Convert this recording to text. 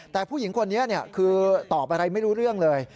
แต่ผู้หญิงคนนี้คือตอบอะไรไม่รู้เรื่องเลย